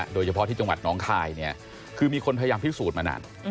โดยเฉพาะที่จังหวัดน้องคายเนี่ยคือมีคนพยายามพิสูจน์มานาน